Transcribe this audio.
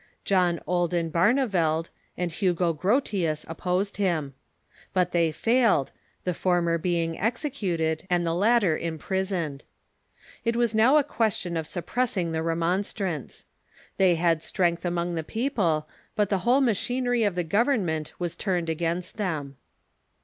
John Olden Barneveld and Hugo Grotius opposed him. But they failed, the former being executed and the latter impris oned. It was now a question of suppressing the Remonstrants. 320 THE MODERN CHURCH They bad strength among the people, but the whole machinery of the government was turned against them.